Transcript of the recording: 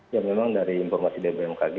ya memang dari informasi dari bmkg